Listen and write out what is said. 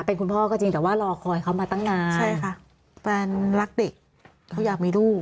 เป็นคุณพ่อก็จริงแต่ว่ารอคอยเขามาตั้งนานใช่ค่ะแฟนรักเด็กเขาอยากมีลูก